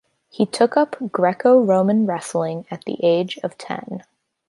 He took up Greco-Roman wrestling at the age of ten.